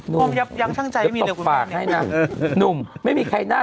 นี่